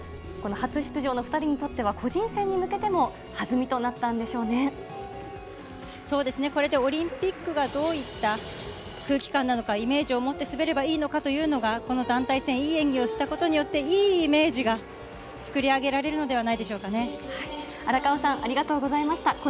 この初出場の２人にとっては、個人戦に向けても弾みとなったんそうですね、これでオリンピックがどういった空気感なのか、イメージを持って滑ればいいのかというのが、この団体戦、いい演技をしたことによって、いいイメージが作り上げられるのではない荒川さん、ありがとうございました。